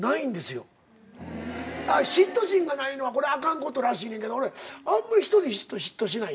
嫉妬心がないのはあかんことらしいねんけどあんま人に嫉妬しない。